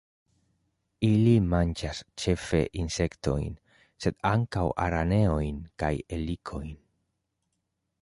Ili manĝas ĉefe insektojn, sed ankaŭ araneojn kaj helikojn.